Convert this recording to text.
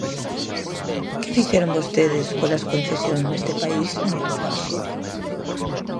¿Que fixeron vostedes polas concesións neste país, señor Braxe?